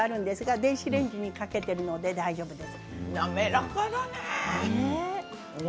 電子レンジにかけているので大丈夫です。